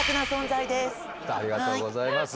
ありがとうございます。